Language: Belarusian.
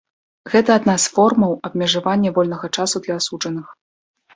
Гэта адна з формаў абмежавання вольнага часу для асуджаных.